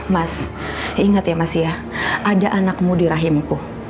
mas inget ya masih ya ada anakmu di rahimku